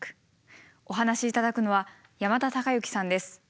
お話し頂くのは山田孝之さんです。